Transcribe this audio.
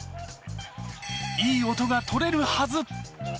いい音が撮れるはず。